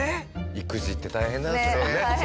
育児って大変なんですね。